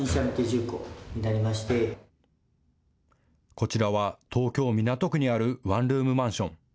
こちらは東京・港区にあるワンルームマンション。